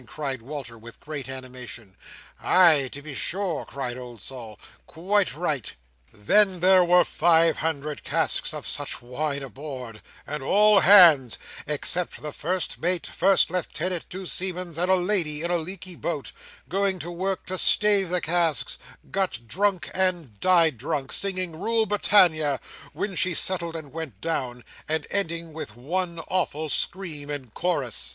cried Walter, with great animation. "Ay, to be sure!" cried old Sol, "quite right! Then, there were five hundred casks of such wine aboard; and all hands (except the first mate, first lieutenant, two seamen, and a lady, in a leaky boat) going to work to stave the casks, got drunk and died drunk, singing 'Rule Britannia', when she settled and went down, and ending with one awful scream in chorus."